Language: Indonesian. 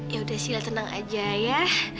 yaudah silah tenang aja ya